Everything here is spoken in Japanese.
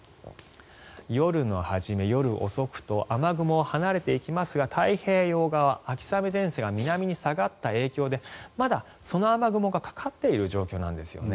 夜の初め、夜遅くと雨雲は離れていきますが太平洋側秋雨前線が南に下がった影響でまだその雨雲がかかっている状況なんですよね。